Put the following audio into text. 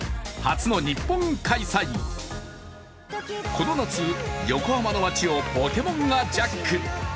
この夏、横浜の街をポケモンがジャック。